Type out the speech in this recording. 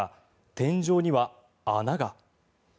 天井には穴が。